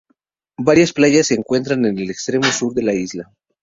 Varias playas se encuentran en el extremo sur de la isla.